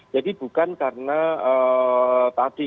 jadi bukan karena tadi